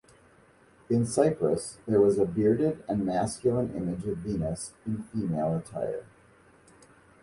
In Cyprus there was a bearded and masculine image of Venus in female attire.